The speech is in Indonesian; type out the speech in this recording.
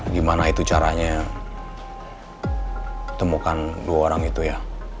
gimana itu caranya temukan dua orang itu ya